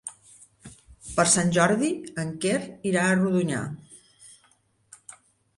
Per Sant Jordi en Quer irà a Rodonyà.